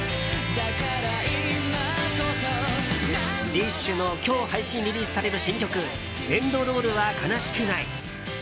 ＤＩＳＨ／／の今日、配信リリースされる新曲「エンドロールは悲しくない」。